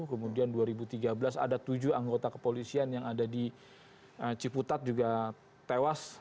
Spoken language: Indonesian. kemudian dua ribu tiga belas ada tujuh anggota kepolisian yang ada di ciputat juga tewas